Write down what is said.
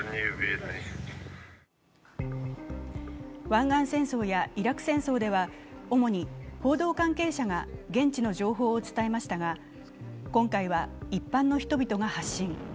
湾岸戦争やイラク戦争では主に報道関係者が現地の情報を伝えましたが今回は一般の人々が発信。